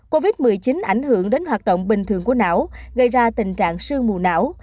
covid một mươi chín ảnh hưởng đến hoạt động bình thường của não gây ra tình trạng sương mù não